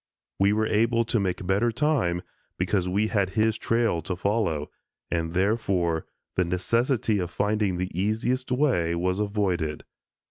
We were able to make better time because we had his trail to follow, and, therefore, the necessity of finding the easiest way was avoided.